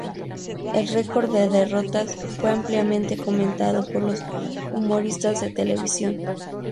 El record de derrotas fue ampliamente comentado por los humoristas de televisión.